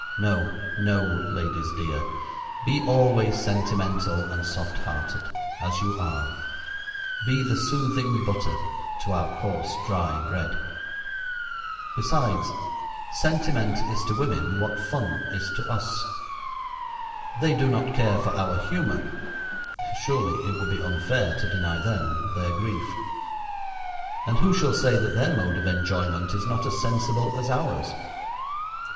No, no, ladies dear, be always sentimental and soft hearted, as you are be the soothing butter to our coarse dry bread. Besides, sentiment is to women what fun is to us. They do not care for our humor, surely it would be unfair to deny them their grief. And who shall say that their mode of enjoyment is not as sensible as ours?